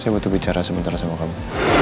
saya butuh bicara sebentar sama kamu